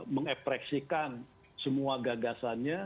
mengepreksikan semua gagasannya